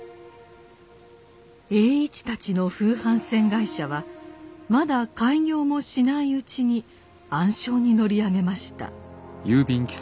栄一たちの風帆船会社はまだ開業もしないうちに暗礁に乗り上げました。